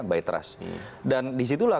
by trust dan disitulah